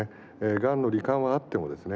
がんの罹患はあってもですね